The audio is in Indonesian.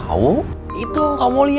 supaya aku bisa akan tempat ini